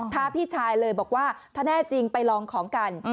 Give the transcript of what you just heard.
พี่ชายเลยบอกว่าถ้าแน่จริงไปลองของกัน